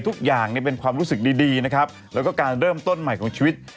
ทุกอย่างเนี่ยเป็นความรู้สึกดีนะครับแล้วก็การเริ่มต้นใหม่ของชีวิต